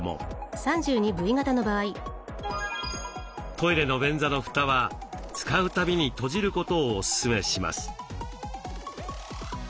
トイレの便座のフタは使うたびに閉じることをオススメします。